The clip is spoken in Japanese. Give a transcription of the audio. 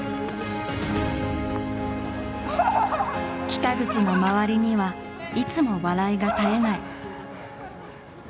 北口の周りにはいつも笑いが絶えない。